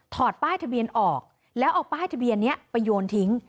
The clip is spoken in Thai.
ป้ายทะเบียนออกแล้วเอาป้ายทะเบียนนี้ไปโยนทิ้ง